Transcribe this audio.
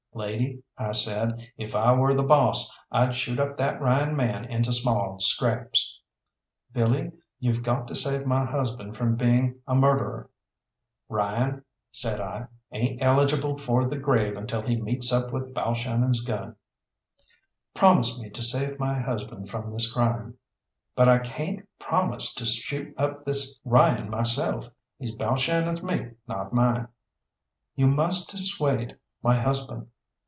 "Lady," I said, "if I were the boss, I'd shoot up that Ryan man into small scraps." "Billy, you've got to save my husband from being a murderer." "Ryan," said I, "ain't eligible for the grave until he meets up with Balshannon's gun." "Promise me to save my husband from this crime." "But I cayn't promise to shoot up this Ryan myself. He's Balshannon's meat, not mine." "You must dissuade my husband."